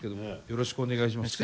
よろしくお願いします。